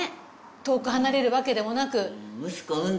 遠く離れるわけでもなく。